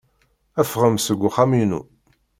Ffɣem seg uxxam-inu.